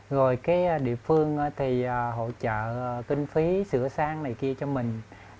rồi cái địa phương thì hỗ trợ kinh phí sửa sáng này kia cho mình